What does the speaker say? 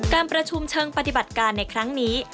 การประชุมเชิงปฏิบัติการในครั้งนี้